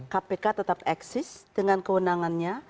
kpk tetap eksis dengan kewenangannya